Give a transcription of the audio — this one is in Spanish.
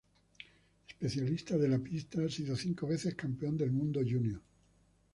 Especialista de la pista, ha sido cinco veces campeón del mundo junior.